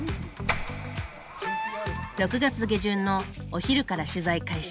６月下旬のお昼から取材開始。